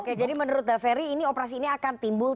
oke jadi menurut dhaferi operasi ini akan timbul